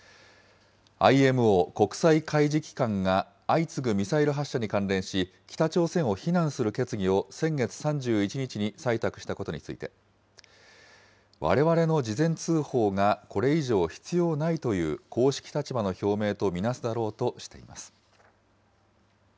ＩＭＯ・国際海事機関が、相次ぐミサイル発射に関連し、北朝鮮を非難する決議を先月３１日に採択したことについて、われわれの事前通報がこれ以上必要ないという公式立場の表明とみなすだろうとしています。